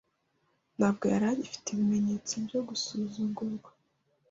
Ntabwo yari agifite ibimenyetso byo gusuzugurwa